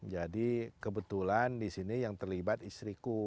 jadi kebetulan disini yang terlibat istriku